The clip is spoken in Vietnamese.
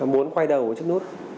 muốn quay đầu ở trước nút